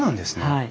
はい。